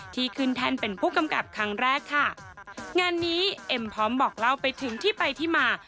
ที่ขึ้นแท่นเป็นผู้กำกับครั้งแรกค่ะงานนี้เอ็มพร้อมบอกเล่าไปถึงที่ไปที่มา